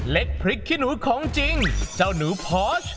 เล็กพริกขี้หนูของจริงเจ้าหนูพอร์ช